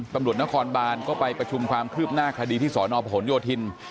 ตำรวจนครบานก็ไปประชุมความคืบหน้าคดีที่สอนอพหนโยธิน